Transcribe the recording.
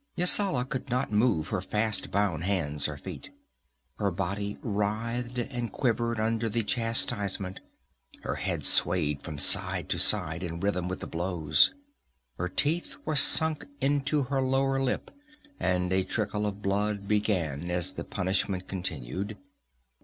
Yasala could not move her fast bound hands or feet. Her body writhed and quivered under the chastisement, her head swayed from side to side in rhythm with the blows. Her teeth were sunk into her lower lip and a trickle of blood began as the punishment continued.